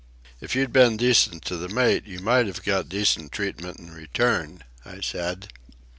"If you'd been decent to the mate you might have got decent treatment in return," I said.